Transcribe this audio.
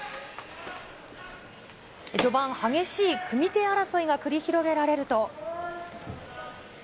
序盤、激しい組み手争いが繰り広げられると。